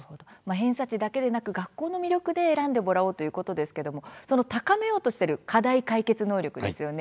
偏差値だけでなく学校の魅力で選んでもらおうということですが高めようとしているのは課題解決力ですよね。